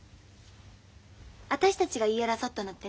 私たちが言い争ったのってね